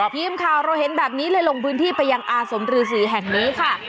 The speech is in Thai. ทีมข่าวเราเห็นแบบนี้เลยลงพื้นที่ไปยังอาสมฤษีแห่งนี้ค่ะ